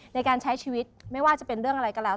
ในการใช้ชีวิตไม่ว่าจะเป็นเรื่องอะไรก็แล้ว